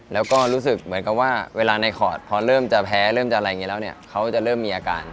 แล้วก็รู้สึกเหมือนกับว่าเวลาในคอร์ดพอเริ่มจะแพ้เริ่มจะอะไรอย่างนี้แล้วเนี่ยเขาจะเริ่มมีอาการ